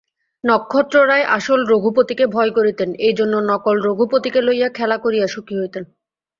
নক্ষত্ররায় আসল রঘুপতিকে ভয় করিতেন, এইজন্য নকল রঘুপতিকে লইয়া খেলা করিয়া সুখী হইতেন।